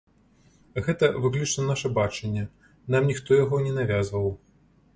Гэта выключна наша бачанне, нам ніхто яго не навязваў.